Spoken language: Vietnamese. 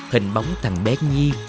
hình bóng thằng bé nhi